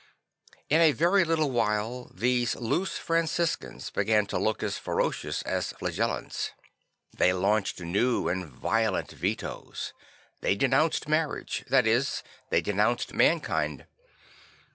In a very little while these loose Franciscans began to look as ferocious as Flagellants. They launched new and violent vetoes; they denounced marriage; that is, they denounced mankind.